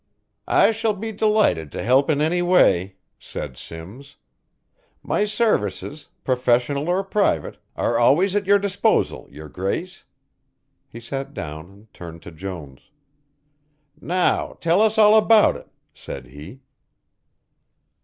"I shall be delighted to help in any way," said Simms; "my services, professional or private, are always at your disposal, your grace." He sat down and turned to Jones. "Now tell us all about it," said he.